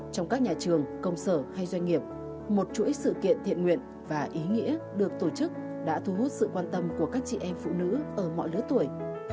trong các nhà trường công sở hay doanh nghiệp một chuỗi sự kiện thiện nguyện và ý nghĩa được tổ chức đã thu hút sự quan tâm của các chị em phụ nữ ở mọi lứa tuổi